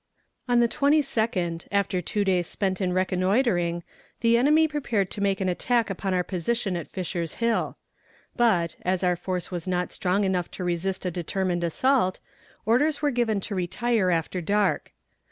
On the 22d, after two days spent in reconnoitering, the enemy prepared to make an attack upon our position at Fisher's Hill; but, as our force was not strong enough to resist a determined assault, orders were given to retire after dark.